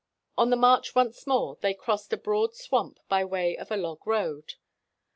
On the march once more, they crossed a broad swamp by way of a log road.